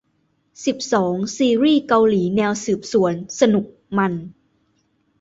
สิบสอง ซีรีส์เกาหลีแนวสืบสวน สนุก มัน